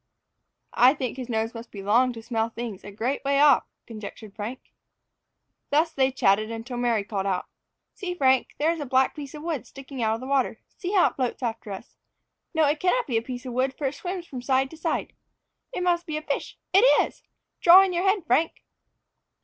"I think his nose must be long to smell things a great way off," conjectured Frank. Thus they chatted until Mary called out, "See, Frank, there is a black piece of wood sticking out of the water. See how it floats after us! No, it cannot be a piece of wood, for it swims from side to side. It must be a fish. It is! Draw in your head, Frank."